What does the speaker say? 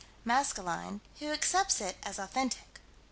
Maskelyne, who accepts it as authentic.